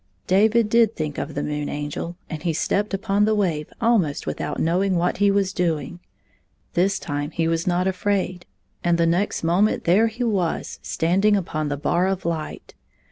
David did think of the Moon Angel, and he stepped upon the wave almost without knowing what he was doing. This time he was not afiraid, 38 and the next moment there he was standing upon the bar of light.